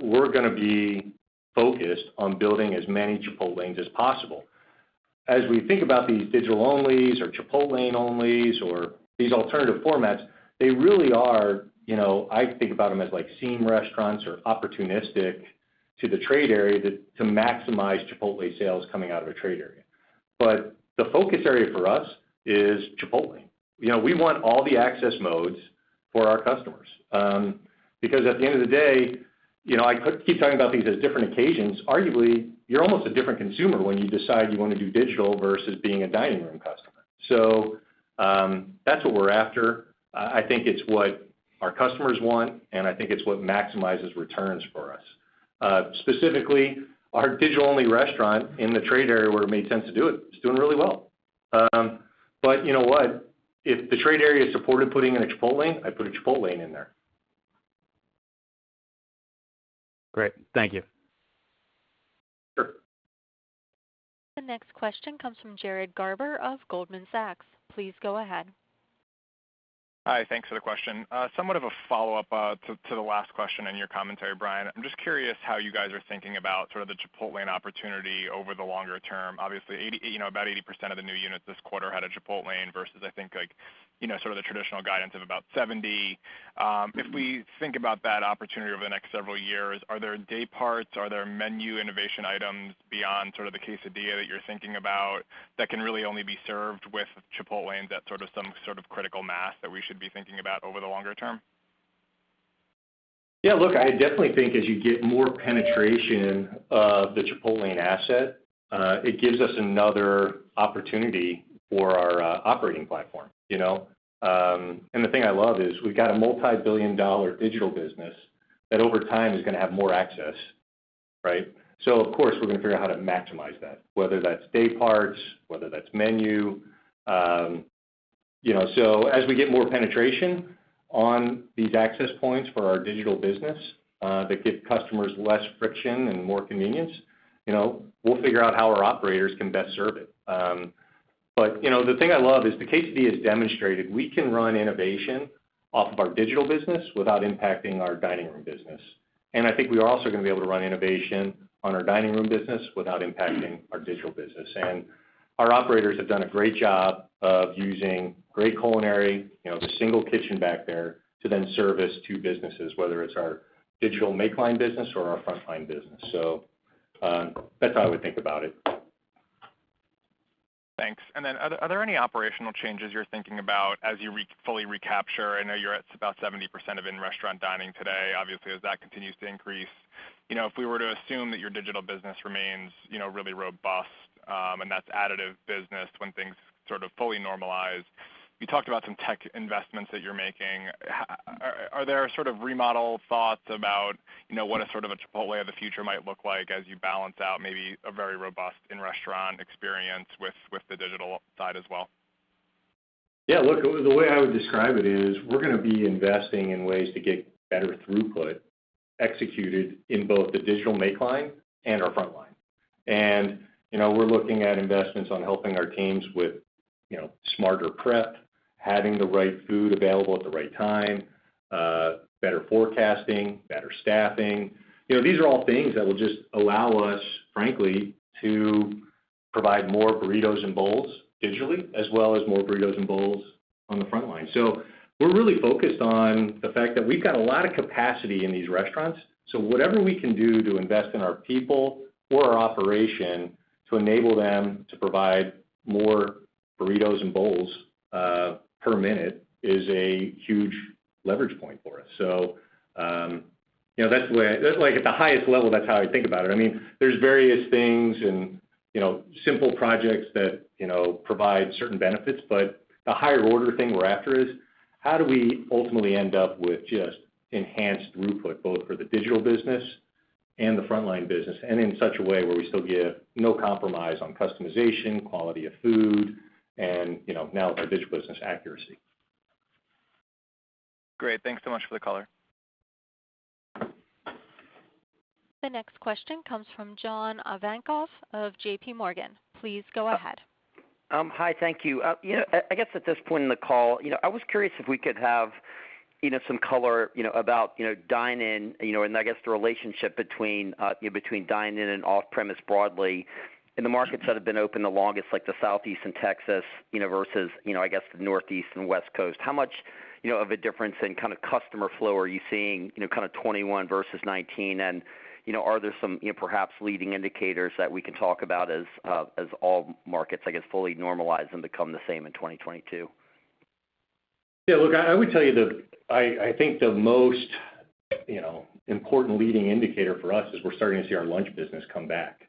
We're going to be focused on building as many Chipotlanes as possible. As we think about these digital-onlys or Chipotlane-onlys or these alternative formats, they really are, I think about them as like seam restaurants or opportunistic to maximize Chipotle sales coming out of a trade area. The focus area for us is Chipotle. We want all the access modes for our customers. At the end of the day, I keep talking about these as different occasions. Arguably, you're almost a different consumer when you decide you want to do digital versus being a dining room customer. That's what we're after. I think it's what our customers want, and I think it's what maximizes returns for us. Specifically, our digital-only restaurant in the trade area where it made sense to do it is doing really well. You know what? If the trade area supported putting in a Chipotlane, I'd put a Chipotlane in there. Great. Thank you. Sure. The next question comes from Jared Garber of Goldman Sachs. Please go ahead. Hi. Thanks for the question. Somewhat of a follow-up to the last question and your commentary, Brian. I'm just curious how you guys are thinking about the Chipotlane opportunity over the longer term. Obviously, about 80% of the new units this quarter had a Chipotlane versus, I think, the traditional guidance of about 70%. If we think about that opportunity over the next several years, are there day parts, are there menu innovation items beyond the Quesadilla that you're thinking about that can really only be served with Chipotlane, that some sort of critical mass that we should be thinking about over the longer term? Look, I definitely think as you get more penetration of the Chipotlane asset, it gives us another opportunity for our operating platform. The thing I love is we've got a multi-billion dollar digital business that over time is going to have more access. Right? Of course, we're going to figure out how to maximize that, whether that's day parts, whether that's menu. As we get more penetration on these access points for our digital business that give customers less friction and more convenience, we'll figure out how our operators can best serve it. The thing I love is the Quesadilla has demonstrated we can run innovation off of our digital business without impacting our dining room business. I think we are also going to be able to run innovation on our dining room business without impacting our digital business. Our operators have done a great job of using great culinary, the single kitchen back there, to then service two businesses, whether it's our digital make line business or our front line business. That's how I would think about it. Thanks. Are there any operational changes you're thinking about as you fully recapture? I know you're at about 70% of in-restaurant dining today. Obviously, as that continues to increase, if we were to assume that your digital business remains really robust, and that's additive business when things fully normalize, you talked about some tech investments that you're making. Are there remodel thoughts about what a Chipotle of the future might look like as you balance out maybe a very robust in-restaurant experience with the digital side as well? Yeah, look, the way I would describe it is we're going to be investing in ways to get better throughput executed in both the digital make line and our front line. We're looking at investments on helping our teams with smarter prep, having the right food available at the right time, better forecasting, better staffing. These are all things that will just allow us, frankly, to provide more burritos and bowls digitally, as well as more burritos and bowls on the front line. We're really focused on the fact that we've got a lot of capacity in these restaurants, so whatever we can do to invest in our people or our operation to enable them to provide more burritos and bowls per minute is a huge leverage point for us. At the highest level, that's how I think about it. There's various things and simple projects that provide certain benefits, but the higher order thing we're after is how do we ultimately end up with just enhanced throughput, both for the digital business and the frontline business, and in such a way where we still give no compromise on customization, quality of food, and now with our digital business, accuracy. Great. Thanks so much for the color. The next question comes from John Ivankoe of JPMorgan. Please go ahead. Hi, thank you. I guess at this point in the call, I was curious if we could have some color about dine-in and I guess the relationship between dine-in and off-premise broadly in the markets that have been open the longest, like the Southeast and Texas versus, I guess the Northeast and West Coast. How much of a difference in kind of customer flow are you seeing, kind of 2021 versus 2019, and are there some perhaps leading indicators that we can talk about as all markets, I guess, fully normalize and become the same in 2022? Yeah, look, I would tell you that I think the most important leading indicator for us is we're starting to see our lunch business come back.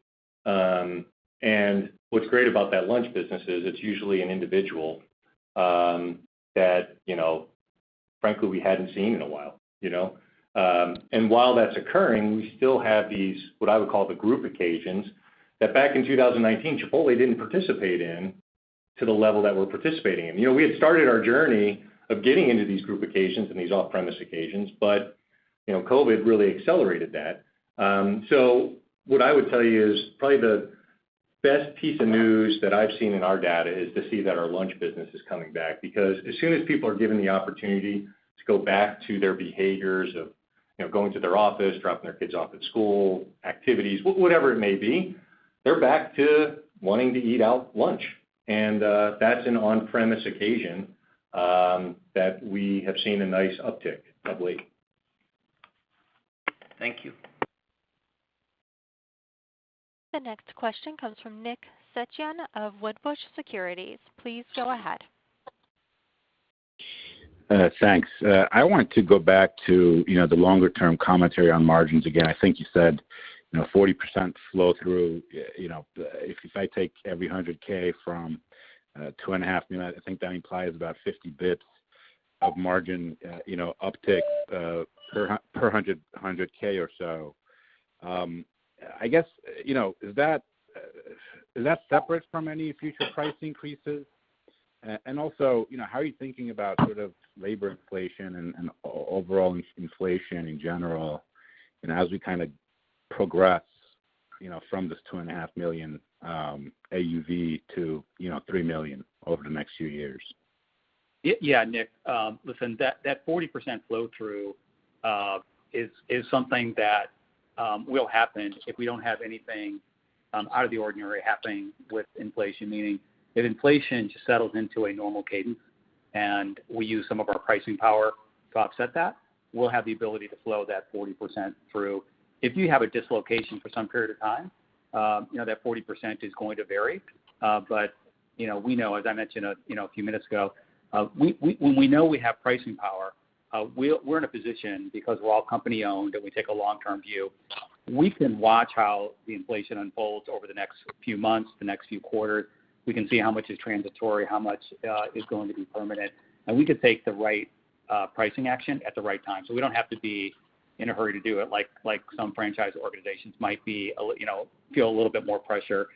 What's great about that lunch business is it's usually an individual that, frankly, we hadn't seen in a while. While that's occurring, we still have these, what I would call the group occasions, that back in 2019, Chipotle didn't participate in to the level that we're participating in. We had started our journey of getting into these group occasions and these off-premise occasions, COVID really accelerated that. What I would tell you is probably the best piece of news that I've seen in our data is to see that our lunch business is coming back because as soon as people are given the opportunity to go back to their behaviors of going to their office, dropping their kids off at school, activities, whatever it may be, they're back to wanting to eat out lunch. That's an on-premise occasion that we have seen a nice uptick of late. Thank you. The next question comes from Nick Setyan of Wedbush Securities. Please go ahead. Thanks. I want to go back to the longer-term commentary on margins again. I think you said 40% flow through. If I take every 100K from $2.5 million, I think that implies about 50 basis points of margin uptick per 100K or so. I guess, is that separate from any future price increases? Also, how are you thinking about sort of labor inflation and overall inflation in general, and as we kind of progress from this $2.5 million AUV to $3 million over the next few years? Yeah. Nick, listen, that 40% flow through is something that will happen if we don't have anything out of the ordinary happening with inflation. Meaning, if inflation just settles into a normal cadence and we use some of our pricing power to offset that, we'll have the ability to flow that 40% through. If you have a dislocation for some period of time, that 40% is going to vary. We know, as I mentioned a few minutes ago, when we know we have pricing power, we're in a position because we're all company-owned and we take a long-term view. We can watch how the inflation unfolds over the next few months, the next few quarters. We can see how much is transitory, how much is going to be permanent, and we could take the right pricing action at the right time. We don't have to be in a hurry to do it, like some franchise organizations might feel a little bit more pressure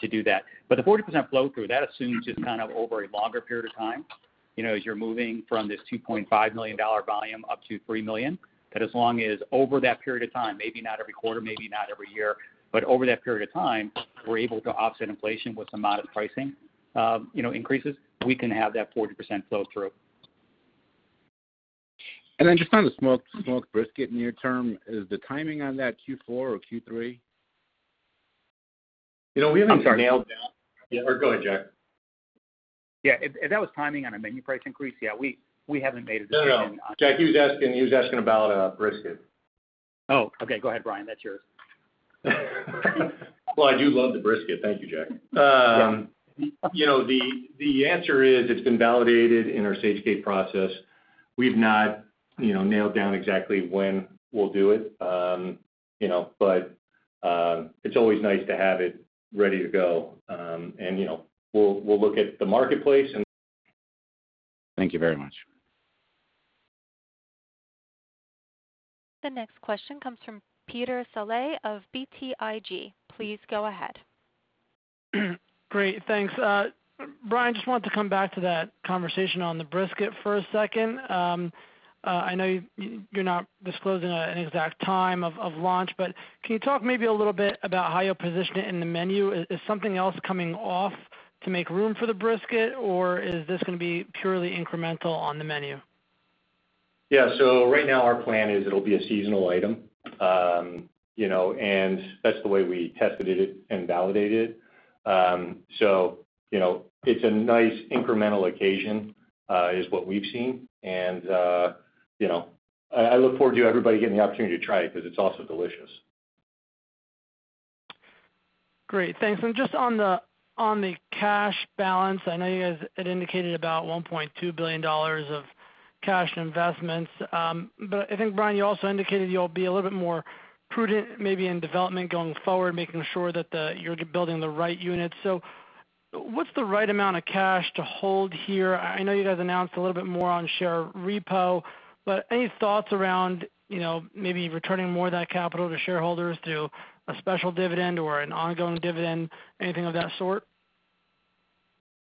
to do that. The 40% flow through, that assumes it's kind of over a longer period of time, as you're moving from this $2.5 million volume up to $3 million, that as long as over that period of time, maybe not every quarter, maybe not every year, but over that period of time, we're able to offset inflation with some modest pricing increases. We can have that 40% flow through. Just on the Smoked Brisket near term, is the timing on that Q4 or Q3? We haven't nailed down- I'm sorry. Yeah. Go ahead, Jack. If that was timing on a menu price increase, yeah, we haven't made a decision on. No, no. Jack, he was asking about Brisket. Oh, okay. Go ahead, Brian. That's yours. Well, I do love the brisket. Thank you, Jack. Yeah. The answer is, it's been validated in our Stage-Gate process. We've not nailed down exactly when we'll do it. It's always nice to have it ready to go. Thank you very much. The next question comes from Peter Saleh of BTIG. Please go ahead. Great. Thanks. Brian, just wanted to come back to that conversation on the brisket for a second. I know you're not disclosing an exact time of launch, but can you talk maybe a little bit about how you'll position it in the menu? Is something else coming off to make room for the brisket, or is this going to be purely incremental on the menu? Right now, our plan is it'll be a seasonal item. That's the way we tested it and validated. It's a nice incremental occasion, is what we've seen. I look forward to everybody getting the opportunity to try it, because it's also delicious. Great. Thanks. Just on the cash balance, I know you guys had indicated about $1.2 billion of cash and investments. I think, Brian, you also indicated you'll be a little bit more prudent, maybe, in development going forward, making sure that you're building the right units. What's the right amount of cash to hold here? I know you guys announced a little bit more on share repo, but any thoughts around maybe returning more of that capital to shareholders through a special dividend or an ongoing dividend, anything of that sort?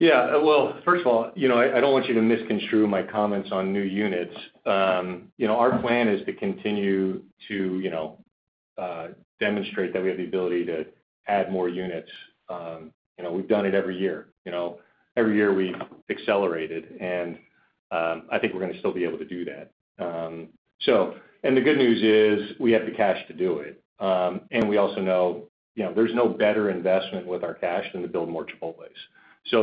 Yeah. Well, first of all, I don't want you to misconstrue my comments on new units. Our plan is to continue to demonstrate that we have the ability to add more units. We've done it every year. Every year we've accelerated, and I think we're going to still be able to do that. The good news is we have the cash to do it. We also know there's no better investment with our cash than to build more Chipotles.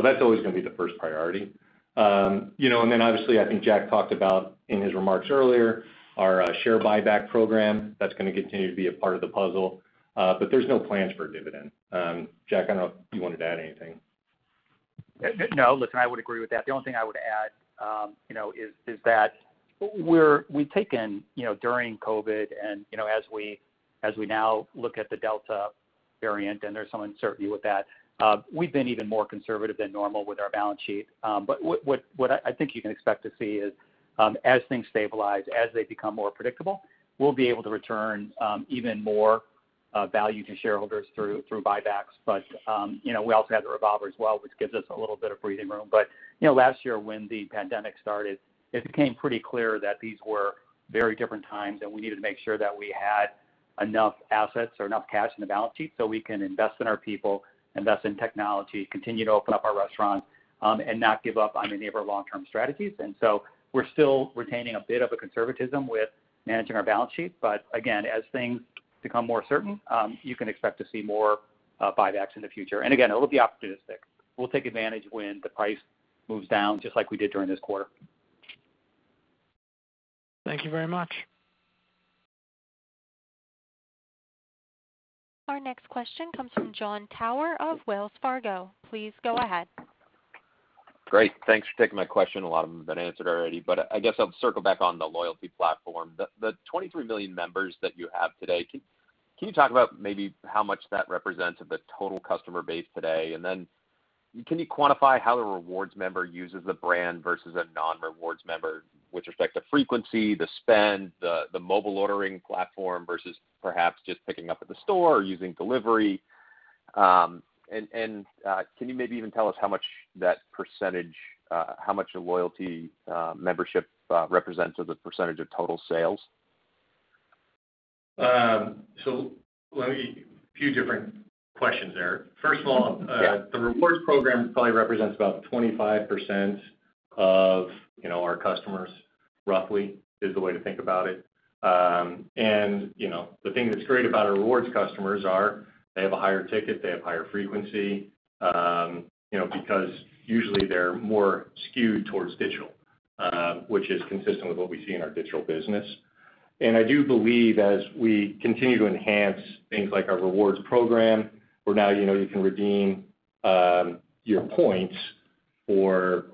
That's always going to be the first priority. Obviously, I think Jack talked about in his remarks earlier, our share buyback program. That's going to continue to be a part of the puzzle. There's no plans for a dividend. Jack, I don't know if you wanted to add anything. No, listen, I would agree with that. The only thing I would add is that we've taken, during COVID and as we now look at the Delta variant, and there's some uncertainty with that, we've been even more conservative than normal with our balance sheet. What I think you can expect to see is, as things stabilize, as they become more predictable, we'll be able to return even more value to shareholders through buybacks. We also have the revolver as well, which gives us a little bit of breathing room. Last year when the pandemic started, it became pretty clear that these were very different times, and we needed to make sure that we had enough assets or enough cash in the balance sheet so we can invest in our people, invest in technology, continue to open up our restaurants, and not give up on any of our long-term strategies. We're still retaining a bit of a conservatism with managing our balance sheet. Again, as things become more certain, you can expect to see more buybacks in the future. Again, it will be opportunistic. We'll take advantage when the price moves down, just like we did during this quarter. Thank you very much. Our next question comes from Jon Tower of Wells Fargo. Please go ahead. Great. Thanks for taking my question. A lot of them have been answered already. I guess I'll circle back on the loyalty platform. The 23 million members that you have today, can you talk about maybe how much that represents of the total customer base today? Can you quantify how the rewards member uses the brand versus a non-rewards member with respect to frequency, the spend, the mobile ordering platform versus perhaps just picking up at the store or using delivery? Can you maybe even tell us how much a loyalty membership represents of the percentage of total sales? A few different questions there. Yeah The Rewards program probably represents about 25% of our customers, roughly, is the way to think about it. The thing that's great about our Rewards customers is they have a higher ticket, they have higher frequency, because usually they're more skewed towards digital, which is consistent with what we see in our digital business. I do believe as we continue to enhance things like our Rewards program, where now you can redeem your points for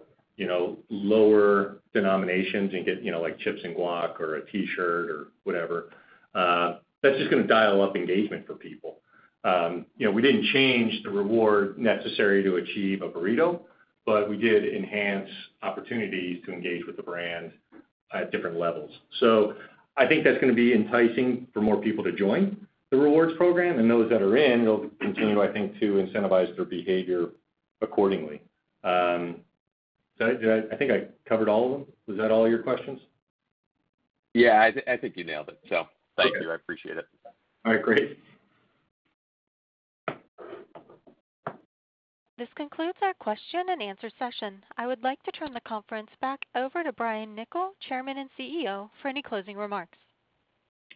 lower denominations and get chips and guac or a T-shirt or whatever, that's just going to dial up engagement for people. We didn't change the reward necessary to achieve a burrito, we did enhance opportunities to engage with the brand at different levels. I think that's going to be enticing for more people to join the rewards program, and those that are in, they'll continue, I think, to incentivize their behavior accordingly. I think I covered all of them. Was that all your questions? Yeah, I think you nailed it. Thank you. Okay. I appreciate it. All right, great. This concludes our question and answer session. I would like to turn the conference back over to Brian Niccol, Chairman and CEO, for any closing remarks.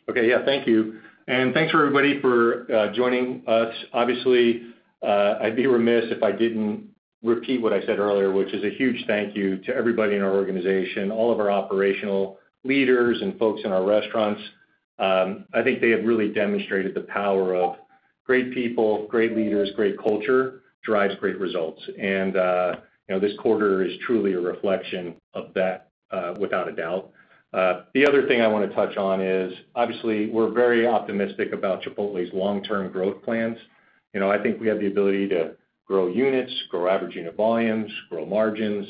Okay, yeah. Thank you. Thanks for everybody for joining us. Obviously, I'd be remiss if I didn't repeat what I said earlier, which is a huge thank you to everybody in our organization, all of our operational leaders and folks in our restaurants. I think they have really demonstrated the power of great people, great leaders, great culture, drives great results. This quarter is truly a reflection of that, without a doubt. The other thing I want to touch on is, obviously, we're very optimistic about Chipotle's long-term growth plans. I think we have the ability to grow units, grow average unit volumes, grow margins,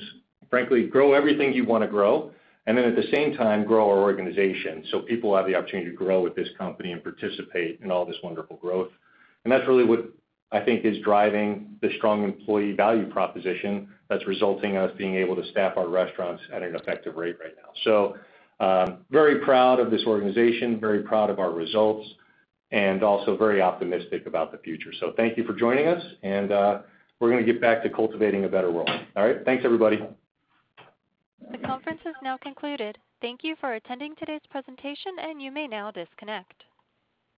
frankly, grow everything you want to grow. At the same time, grow our organization so people have the opportunity to grow with this company and participate in all this wonderful growth. That's really what I think is driving the strong employee value proposition that's resulting in us being able to staff our restaurants at an effective rate right now. Very proud of this organization, very proud of our results, and also very optimistic about the future. Thank you for joining us, and we're going to get back to cultivating a better world. All right? Thanks, everybody. The conference is now concluded. Thank you for attending today's presentation, and you may now disconnect.